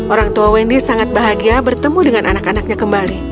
orang tua wendy sangat bahagia bertemu dengan anak anaknya kembali